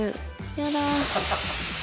やだ！